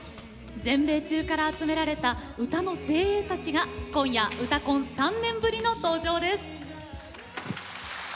全米中から集められた歌の精鋭たちが今夜「うたコン」３年ぶりの登場です。